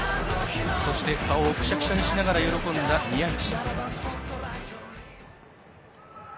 そして顔をくしゃくしゃにしながら喜んだ宮市。